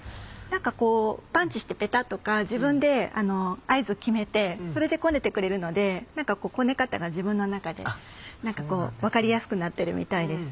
何か「パンチしてペタっ」とか自分で合図を決めてそれでこねてくれるのでこね方が自分の中で分かりやすくなってるみたいです。